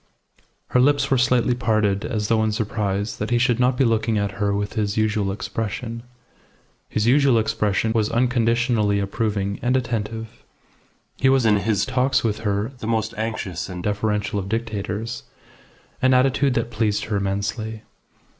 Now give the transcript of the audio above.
Her lips were slightly parted as though in surprise that he should not be looking at her with his usual expression. His usual expression was unconditionally approving and attentive. He was in his talks with her the most anxious and deferential of dictators, an attitude that pleased her immensely.